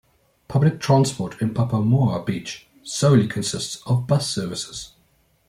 Public transport in Papamoa Beach solely consists of bus services.